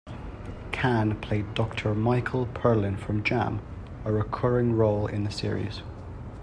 Cann played Doctor Michael Perlin from "Jam", a recurring role in the series.